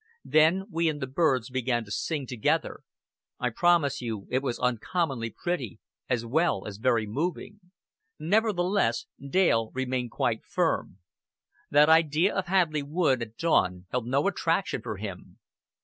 "Then we and the birds began to sing together. I promise you it was uncommonly pretty, as well as very moving." Nevertheless, Dale remained quite firm. That idea of Hadleigh Wood at dawn held no attraction for him.